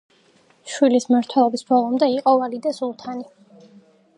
შვილის მმართველობის ბოლომდე იყო ვალიდე სულთანი.